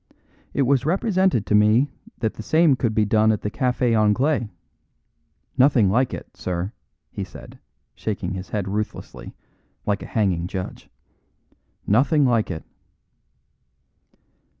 "It was represented to me that the same could be done at the Café Anglais. Nothing like it, sir," he said, shaking his head ruthlessly, like a hanging judge. "Nothing like it."